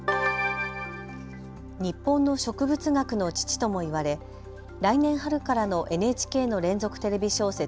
日本の植物学の父とも言われ来年春からのＮＨＫの連続テレビ小説